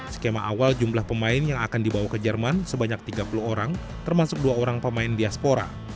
skema awal jumlah pemain yang akan dibawa ke jerman sebanyak tiga puluh orang termasuk dua orang pemain diaspora